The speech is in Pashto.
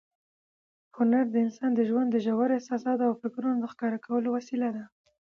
هنر د انسان د ژوند ژورو احساساتو او فکرونو د ښکاره کولو وسیله ده.